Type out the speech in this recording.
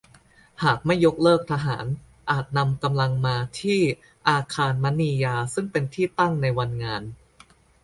หากไม่ยกเลิกทหารอาจนำกำลังมาที่อาคารมณียาซึ่งเป็นที่ตั้งในวันงาน